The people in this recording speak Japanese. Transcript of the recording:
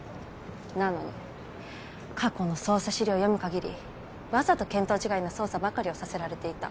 なのに過去の捜査資料を読む限りわざと見当違いな捜査ばかりをさせられていた。